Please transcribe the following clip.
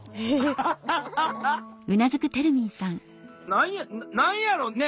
何や何やろね？